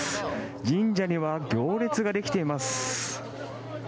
神社には行列ができています。